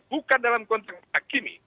bukan dalam konteks menghakimi